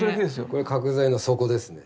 これ角材の底ですね。